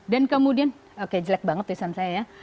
dan kemudian oke jelek banget tulisan saya ya